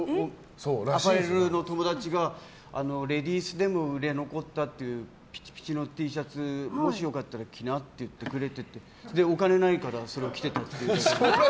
アパレルの友達がレディースでも売れ残ったピチピチのＴシャツをもし良かったら着なって言われてお金ないからそれを着てたっていうだけで。